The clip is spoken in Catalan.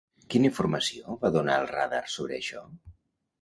Quina informació va donar el radar sobre això?